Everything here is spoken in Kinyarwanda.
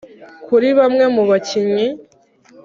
kuri bamwe mu bakinnyi